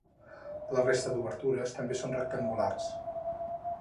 La resta d'obertures també són rectangulars.